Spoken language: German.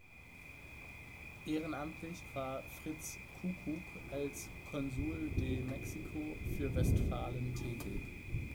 Ehrenamtlich war Fritz Kukuk als Consul de Mexico für Westfalen tätig.